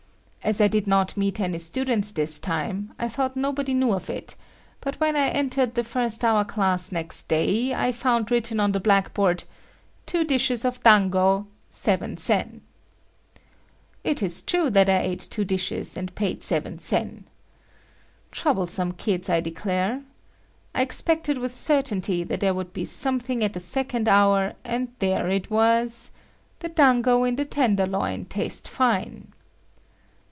As I did not meet any students this time, I thought nobody knew of it, but when I entered the first hour class next day, I found written on the black board; "Two dishes of dango—7 sen." It is true that I ate two dishes and paid seven sen. Troublesome kids! I declare. I expected with certainty that there would be something at the second hour, and there it was; "The dango in the tenderloin taste fine."